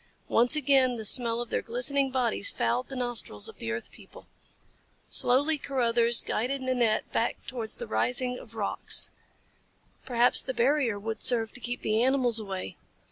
Once again the smell of their glistening bodies fouled the nostrils of the earth people. Slowly Carruthers guided Nanette back towards the ring of rocks perhaps the barrier would serve to keep the animals away.